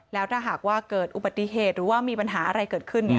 แล้วถ้าหากว่าเกิดอุบัติเหตุหรือว่ามีปัญหาอะไรเกิดขึ้น